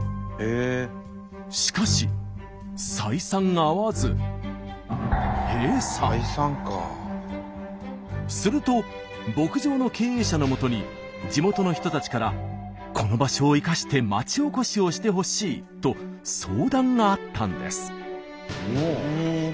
しかし採算が合わずすると牧場の経営者のもとに地元の人たちから「この場所を生かしてまちおこしをしてほしい」と相談があったんです。